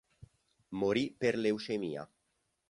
Morì per leucemia.